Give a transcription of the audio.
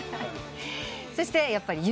そしてやっぱりゆず。